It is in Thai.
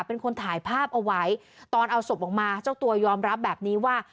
เป็นคนถ่ายภาพเอาไว้ตอนเอาศพออกมาเจ้าตัวยอมรับแบบนี้ว่า